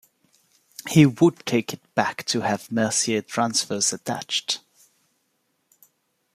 He would take it back to have Mercier transfers attached.